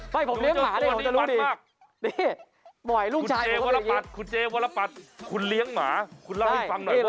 ไม่ผมเลี้ยงหมาเลยผมจะรู้ดีนี่บ่อยลูกชายผมก็เป็นอย่างนี้คุณเจ๊วัลปัดคุณเจ๊วัลปัด